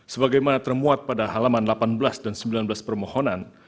sebagaimana termuat pada halaman delapan belas dan sembilan belas permohonan